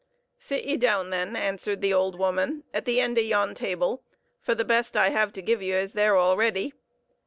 "Sit ye down, then," answered the old woman, "at the end of yon table, for the best I have to give you is there already.